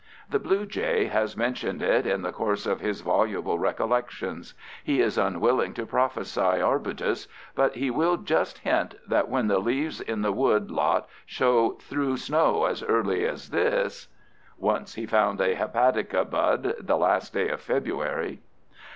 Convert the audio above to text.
The blue jay has mentioned it in the course of his voluble recollections. He is unwilling to prophesy arbutus, but he will just hint that when the leaves in the wood lot show through snow as early as this ... Once he found a hepatica bud the last day of February